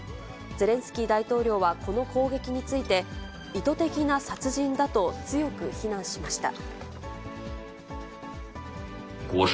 ゼレンスキー大統領はこの攻撃について、意図的な殺人だと強く非難しました。